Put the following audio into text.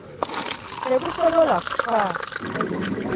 Tegusobola kufa.